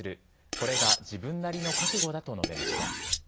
これが自分なりの覚悟だと述べました。